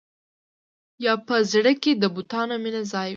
یا په زړه کې د بتانو مینه ځای وي.